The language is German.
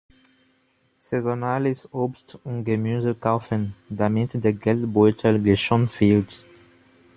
Saisonales Obst und Gemüse kaufen, damit der Geldbeutel geschont wird.